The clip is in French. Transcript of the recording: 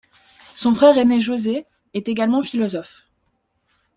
Son frère aîné José est également philosophe.